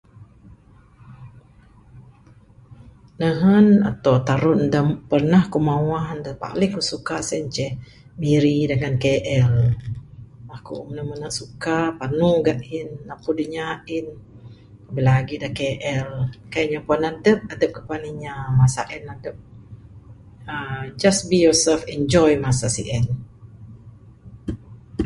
Nehen atau terun dak pernah ku mawah dak paling ku suka sien ceh miri dengan KL. Aku mene mene suka panu gein naput inya in lebih lagi dak KL kai inya adep, adep kai puan inya masa en adep uhh just be yourself enjoy masa sien.